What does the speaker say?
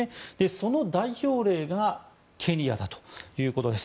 その代表例がケニアだということです。